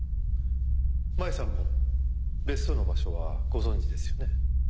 麻衣さんも別荘の場所はご存じですよね？